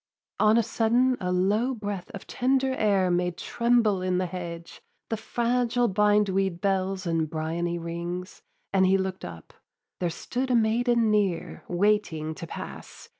On a sudden a low breath Of tender air made tremble in the hedge The fragile bindweed bells and briony rings; And he look'd up. There stood a maiden near, Waiting to pass.